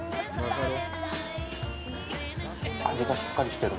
味がしっかりしてる！